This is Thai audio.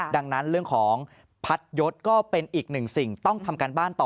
ดังนั้นเรื่องของพัดยศก็เป็นอีกหนึ่งสิ่งต้องทำการบ้านต่อ